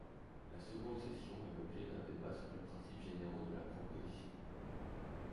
La seconde session est l'objet d'un débat sur les principes généraux de la proposition.